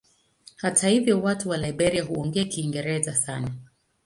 Hata hivyo watu wa Liberia huongea Kiingereza sana.